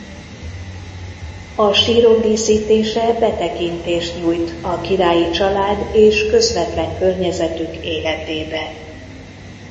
A sírok díszítése betekintést nyújt a királyi család és közvetlen környezetük életébe.